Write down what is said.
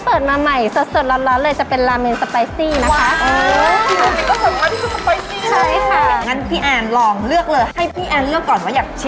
คุณจิ๊บเล่าไปเลยค่ะเดี๋ยวแอนด์กินก่อน